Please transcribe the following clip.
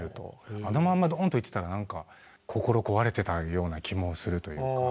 あのまんまドンといってたら何か心壊れてたような気もするというか。